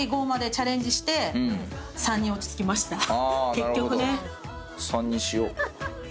結局ね。